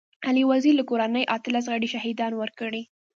علي وزير له کورنۍ اتلس غړي شهيدان ورکړي.